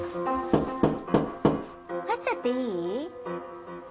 入っちゃっていい？